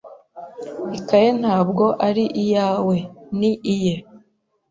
Ikaye ntabwo ari iyawe. Ni iye.